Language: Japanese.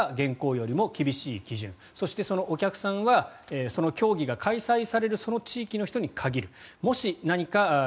無観客が望ましいお客さんを入れるならば現行よりも厳しい基準そして、そのお客さんはその競技が開催されるその地域の人に限る。